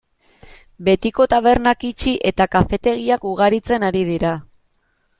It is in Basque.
Betiko tabernak itxi eta kafetegiak ugaritzen ari dira.